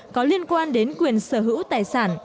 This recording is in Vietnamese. có liên quan đến quyền sở hữu tài sản